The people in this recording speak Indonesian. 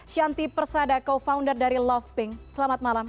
shanti persada co founder dari lofting selamat malam